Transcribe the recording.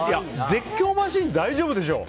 絶叫マシン、大丈夫でしょ。